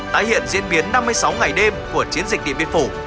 tái hiện diễn biến năm mươi sáu ngày đêm của chiến dịch điện biên phủ